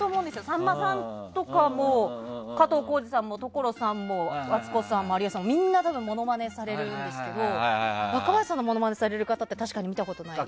さんまさんとかも加藤浩次さんも所さんもマツコさんも有吉さんもみんなモノマネされるんですけど若林さんのモノマネされる方って見たことない。